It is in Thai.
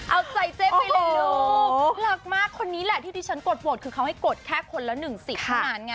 เอาใจเจ๊ไปเลยลูกรักมากคนนี้แหละที่ดิฉันกดโหวตคือเขาให้กดแค่คนละหนึ่งสิทธิ์ของงานงาน